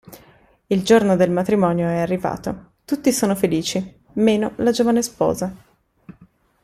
Il giorno del matrimonio è arrivato, tutti sono felici, meno la giovane sposa.